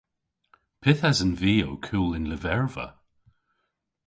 Pyth esen vy ow kul y'n lyverva?